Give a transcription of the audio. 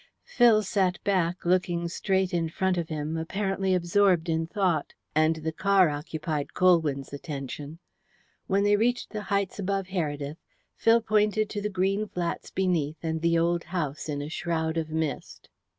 Phil sat back looking straight in front of him, apparently absorbed in thought, and the car occupied Colwyn's attention. When they reached the heights above Heredith, Phil pointed to the green flats beneath and the old house in a shroud of mist.